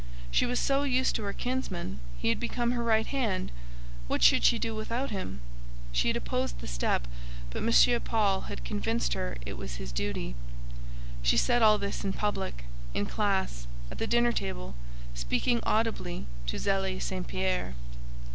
She was so used to her kinsman, he had become her right hand; what should she do without him? She had opposed the step, but M. Paul had convinced her it was his duty." She said all this in public, in classe, at the dinner table, speaking audibly to Zélie St. Pierre.